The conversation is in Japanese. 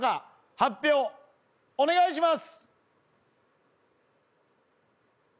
発表お願いします。